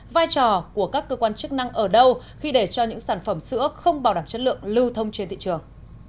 vai trò của các cơ quan chức năng ở đâu khi để cho những sản phẩm sữa không bảo đảm chất lượng lưu thông trên thị trường